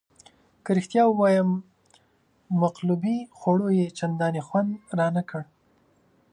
که رښتیا ووایم مقلوبې خوړو یې چندانې خوند رانه کړ.